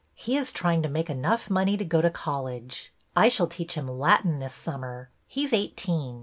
He is trying to make enough money to go to college. I shall teach him Latin this summer. He 's eighteen.